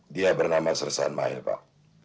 dia bernama sersan mail pak